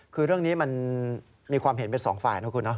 คือเรื่องนี้มันมีความเห็นเป็นสองฝ่ายนะคุณนะ